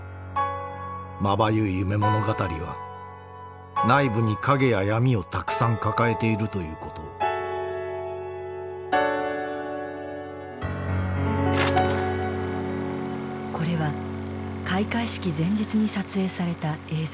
まばゆい夢物語は内部に陰や闇をたくさん抱えているということをこれは開会式前日に撮影された映像。